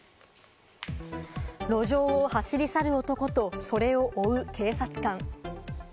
路上を走り去る男と、それを追う警察官。